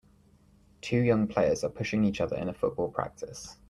Two young players are pushing each other in a football practice.